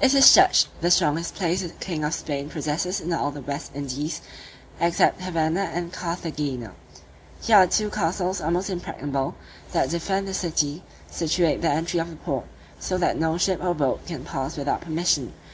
It is judged the strongest place the king of Spain possesses in all the West Indies, except Havanna and Carthagena. Here are two castles almost impregnable, that defend the city, situate at the entry of the port, so that no ship or boat can pass without permission.